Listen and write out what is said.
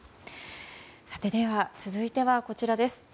では、続いてはこちらです。